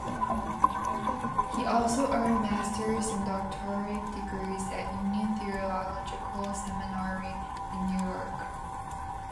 He also earned master's and doctorate degrees at Union Theological Seminary in New York.